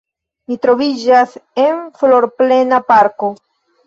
Mi troviĝas en florplena parko.